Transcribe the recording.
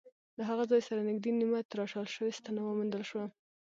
له هغه ځای سره نږدې نیمه تراشل شوې ستنه وموندل شوه.